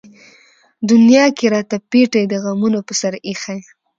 دنيا کۀ راته پېټے د غمونو پۀ سر اېښے